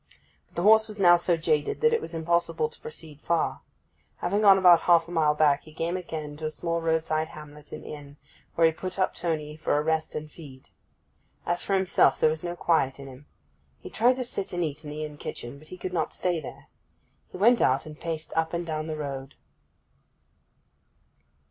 But the horse was now so jaded that it was impossible to proceed far. Having gone about half a mile back he came again to a small roadside hamlet and inn, where he put up Tony for a rest and feed. As for himself, there was no quiet in him. He tried to sit and eat in the inn kitchen; but he could not stay there. He went out, and paced up and down the road.